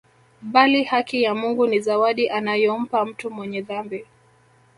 Bali haki ya Mungu ni zawadi anayompa mtu mwenye dhambi